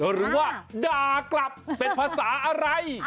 หรือว่าด่ากลับเป็นภาษาอะไร